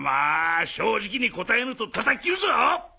正直に答えぬと叩き斬るぞ！